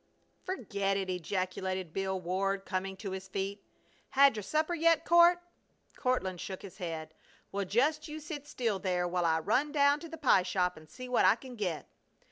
"Ferget it!" ejaculated Bill Ward, coming to his feet. "Had your supper yet, Court?" Courtland shook his head. "Well, just you sit still there while I run down to the pie shop and see what I can get."